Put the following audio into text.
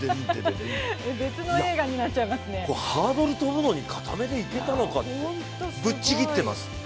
ハードルとともにかためていけたのかぶっちぎってます。